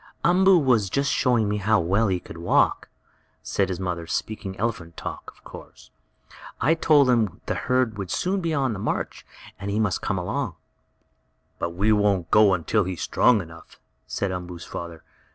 "Umboo was just showing me how well he could walk," said his mother, speaking elephant talk, of course. "I told him the herd would soon be on the march, and that he must come along." "But we won't go until he is strong enough," said Umboo's father.